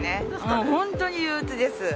もう本当に憂うつです。